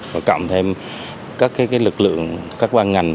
và cộng thêm các lực lượng các quan ngành